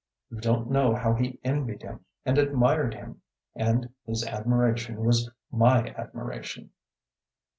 You don't know how he envied him and admired him. And his admiration was my admiration.